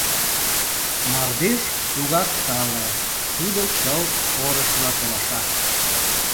Мардеж тугак тале, тудо чылт орышыла толаша.